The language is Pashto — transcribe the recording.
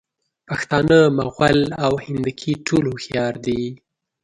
پښتانه، مغل او هندکي ټول هوښیار دي.